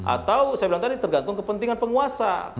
atau saya bilang tadi tergantung kepentingan penguasa